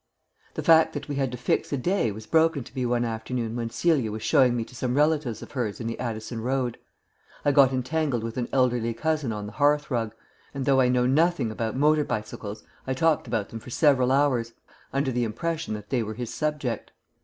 The fact that we had to fix a day was broken to me one afternoon when Celia was showing me to some relatives of hers in the Addison Road. I got entangled with an elderly cousin on the hearth rug; and though I know nothing about motor bicycles I talked about them for several hours under the impression that they were his subject.